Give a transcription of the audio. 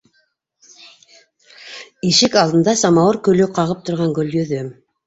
Ишек алдында самауыр көлө ҡағып торған Гөлйөҙөм: